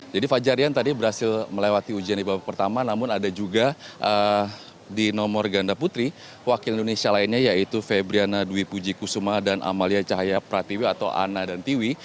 jadi fajar rian tadi berhasil melewati ujian di babak pertama namun ada juga di nomor ganda putri wakil indonesia lainnya yaitu febriana dwi puji kusuma dan amalia cahaya pratiwi atau ana dan tiwi